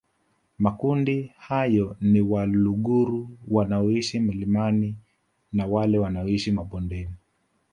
Makundi hayo ni Waluguru wanaoishi milimani na wale wanaoishi mabondeni